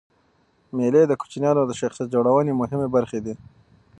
مېلې د کوچنيانو د شخصیت جوړنوني مهمي برخي دي.